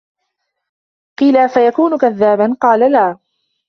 قِيلَ أَفَيَكُونُ كَذَّابًا ؟ قَالَ لَا